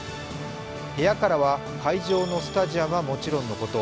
部屋からは会場のスタジアムはもちろんのこと